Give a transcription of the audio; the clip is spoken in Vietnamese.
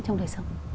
trong đời sống